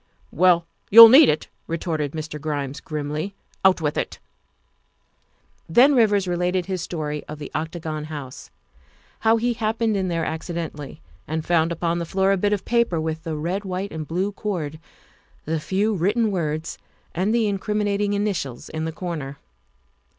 " Well, you'll need it," retorted Mr. Grimes grimly, " out with it." Then Rivers related his story of the Octagon House; how he happened in there accidentally and found upon the floor a bit of paper with the red, white, and blue cord, the few written words, and the incriminating initials in the corner.